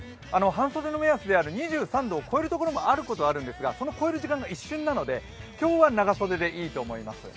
半袖の目安である２３度を超えるところもあることはあるんですが、その超える時間が一瞬なので今日は長袖でいいと思います。